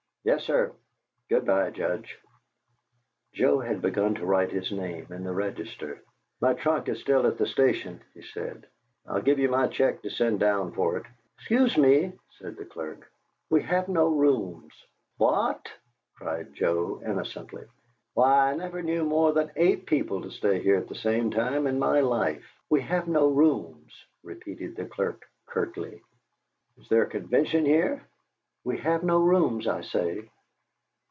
Yes, sir. Good bye, Judge." Joe had begun to write his name in the register. "My trunk is still at the station," he said. "I'll give you my check to send down for it." "Excuse me," said the clerk. "We have no rooms." "What!" cried Joe, innocently. "Why, I never knew more than eight people to stay here at the same time in my life." "We have no rooms," repeated the clerk, curtly. "Is there a convention here?" "We have no rooms, I say!"